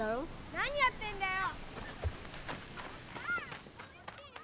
・何やってんだよ！